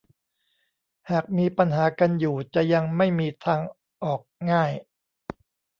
หากมีปัญหากันอยู่จะยังไม่มีทางออกง่าย